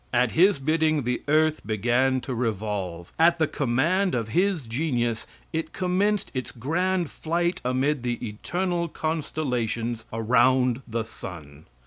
At his bidding the earth began to revolve. At the command of his genius it commenced its grand flight amid the eternal constellations around the sun.